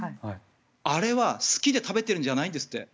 あれは好きで食べてるんじゃないんですって。